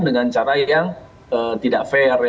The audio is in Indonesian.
dengan cara yang tidak fair